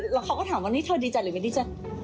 แล้วเขาก็ถามว่านี่เธอดีใจหรือไม่ดีใจ